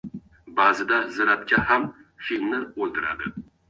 • Ba’zida zirapcha ham filni o‘ldiradi.